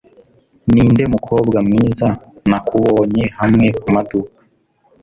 Ninde mukobwa mwiza nakubonye hamwe kumaduka